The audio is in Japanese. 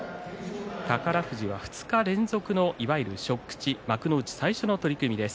宝富士は２日連続のいわゆる初口幕内最初の取組です。